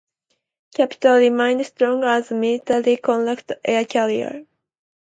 Capitol remained strong as a military contract air carrier.